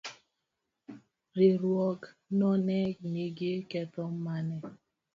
Riwruog no ne nigi ketho mane?